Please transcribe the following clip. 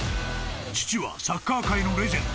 ［父はサッカー界のレジェンド］